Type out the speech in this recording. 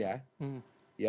yang kami anggap mengetahuinya